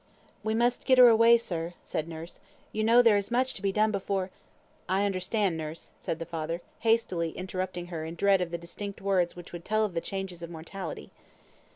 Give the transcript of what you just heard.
"We must get her away, sir," said nurse; "you know there is much to be done before " "I understand, nurse," said the father, hastily interrupting her in dread of the distinct words which would tell of the changes of mortality.